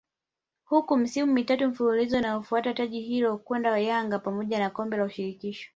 huku misimu mitatu mfululizo iliyofuata taji hilo kwenda Yanga pamoja na Kombe la Shirikisho